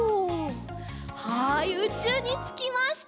はいうちゅうにつきました。